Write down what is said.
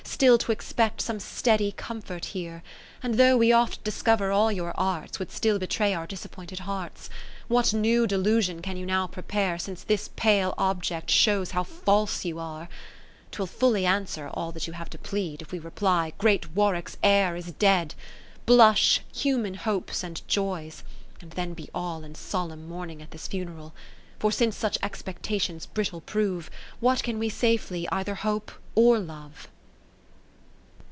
Still to expect some steady comfort here. And though we oft discover all your arts, Would still betray our disappointed hearts ; What new delusion can you now prepare. Since this pale object shows how false you are ? 'Twill fully answer all you have to plead, If we reply, great Warwick's heir is dead : Blush, human Hopes and Joys, and then be all 39 In solemn mourning 1 at this funeral. P^or since such expectations brittle prove, ^Vhat can we safely either hope or love